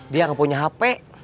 dia nggak punya hp